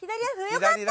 よかった！